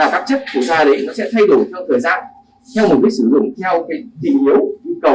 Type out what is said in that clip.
và các chất của da đấy nó sẽ thay đổi theo thời gian theo mục đích sử dụng theo tình yếu nhu cầu